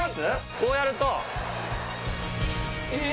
こうやるとえっ？